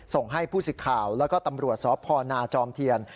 ส่งให้ผู้สิทธิ์ข่าวแล้วก็ตำรวจสพนาจอมเทียน